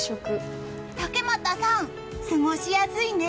竹俣さん、過ごしやすいね。